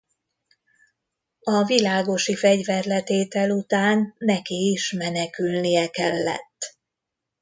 A világosi fegyverletétel után neki is menekülnie kellett.